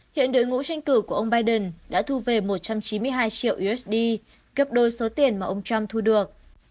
hiện đội ngũ tranh cử của ông biden đã thu về một trăm chín mươi hai triệu usd gấp đôi số tiền mà ông trump thu được